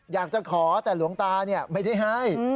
อยากจะขอแต่หลวงตาไม่ได้ให้